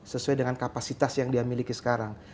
sesuai dengan kapasitas yang dia miliki sekarang